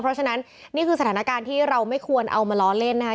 เพราะฉะนั้นนี่คือสถานการณ์ที่เราไม่ควรเอามาล้อเล่นนะคะ